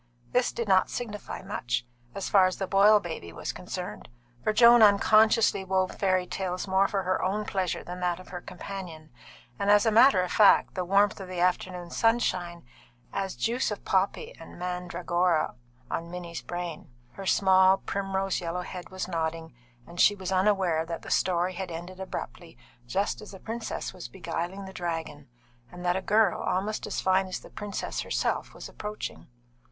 This did not signify much, as far as the Boyle baby was concerned, for Joan unconsciously wove fairy tales more for her own pleasure than that of her companion, and as a matter of fact the warmth of the afternoon sunshine had acted as "juice of poppy and mandragora" upon Minnie's brain. Her small, primrose yellow head was nodding, and she was unaware that the story had ended abruptly just as the princess was beguiling the dragon, and that a girl almost as fine as the princess herself was approaching.